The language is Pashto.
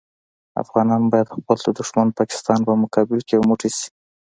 افغانان باید خپل د دوښمن پاکستان په مقابل کې یو موټی شي.